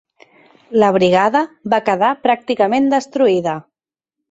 La brigada va quedar pràcticament destruïda.